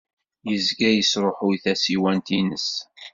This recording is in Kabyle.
Yezga yesṛuḥuy tasiwant-nnes.